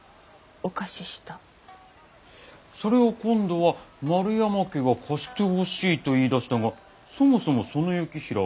それを今度は丸山家が貸してほしいと言いだしたがそもそもその行平は丸山家のもので。